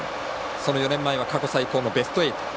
その４年前は過去最高のベスト８。